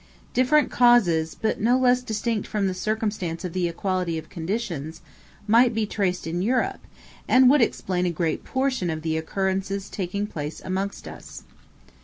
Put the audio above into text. Different causes, but no less distinct from the circumstance of the equality of conditions, might be traced in Europe, and would explain a great portion of the occurrences taking place amongst us.